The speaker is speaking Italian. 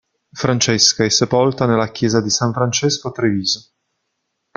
Francesca è sepolta nella chiesa di San Francesco a Treviso.